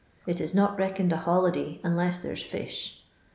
It is not reckoned a holiday unless there 's fish."